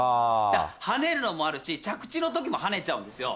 跳ねるのもあるし、着地のときもはねちゃうんですよ。